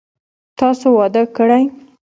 تاسو واده کړئ ؟